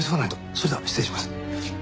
それでは失礼します。